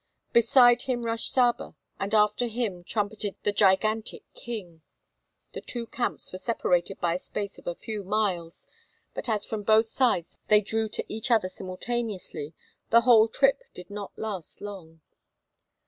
Beside him rushed Saba and after him trumpeted the gigantic King. The two camps were separated by a space of a few miles, but as from both sides they drew to each other simultaneously, the whole trip did not last long.